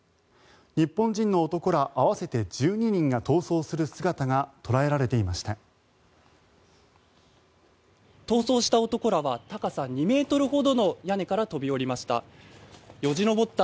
日本人の男ら合わせて１２人が逃走する姿が捉えられていました。